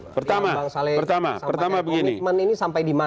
pertama pertama begini